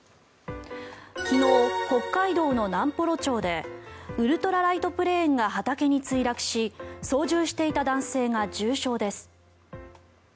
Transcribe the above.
昨日、北海道の南幌町でウルトラライトプレーンが畑に墜落し操縦していた男性が重傷です。